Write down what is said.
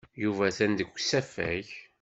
Yuba atan deg usafag.